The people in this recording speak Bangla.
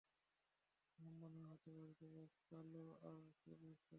লম্বা না হতে পারি, তবে কালো আর সুদর্শন।